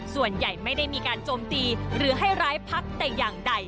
ส่วนใหญ่ไม่ได้มีการโจมตีหรือให้ร้ายพักแต่อย่างใด